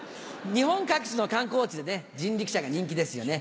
日本各地の観光地で人力車が人気ですよね。